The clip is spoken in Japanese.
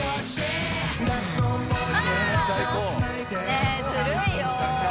ねえずるいよ。